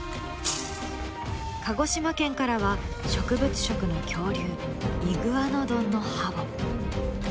鹿児島県からは植物食の恐竜イグアノドンの歯を。